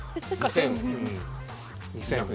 ２０００年。